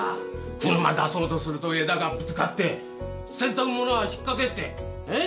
車出そうとすると枝がぶつかって洗濯物は引っ掛けてえぇ？